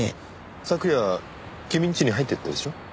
昨夜君んちに入っていったでしょ？